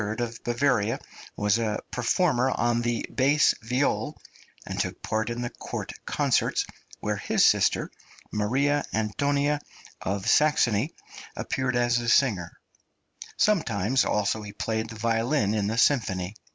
of Bavaria was a performer on the bass viol, and took part in the court concerts, where his sister, Maria Antonia of Saxony, appeared as a singer; sometimes also he played the violin in the symphony.